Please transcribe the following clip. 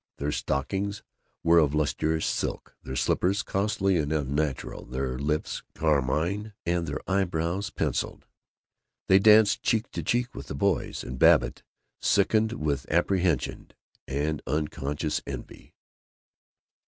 Their stockings were of lustrous silk, their slippers costly and unnatural, their lips carmined and their eyebrows penciled. They danced cheek to cheek with the boys, and Babbitt sickened with apprehension and unconscious envy.